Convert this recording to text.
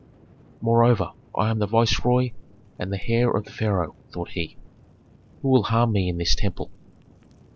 "Moreover, I am the viceroy and the heir of the pharaoh," thought he; "who will harm me in this temple?"